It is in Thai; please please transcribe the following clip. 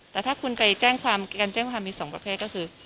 แต่ถ้าคุณไปแจ้งความการแจ้งความมี๒ประเภทก็คือ